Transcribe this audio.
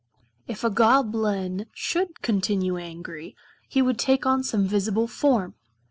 If a Goblin should continue angry he would take on some visible form.